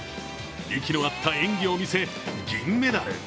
息の合った演技を見せ、銀メダル。